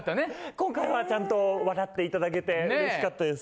今回はちゃんと笑っていただけて嬉しかったです。